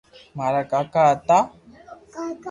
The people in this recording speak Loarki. مارا ڪاڪا ھتا